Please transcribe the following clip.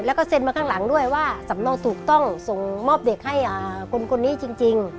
แล้วก็เซ็นมาข้างหลังด้วยว่าสำนองถูกต้องส่งมอบเด็กให้คนนี้จริง